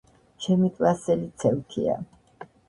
ჩემი კლასელი ცელქია